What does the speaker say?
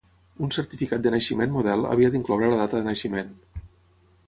Un certificat de naixement model havia d'incloure la data de naixement.